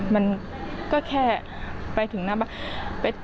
มันก็แค่ไปถึงหน้าบ้าน